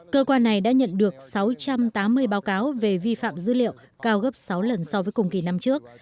cơ quan này đã nhận được sáu trăm tám mươi báo cáo về vi phạm dữ liệu cao gấp sáu lần so với cùng kỳ năm trước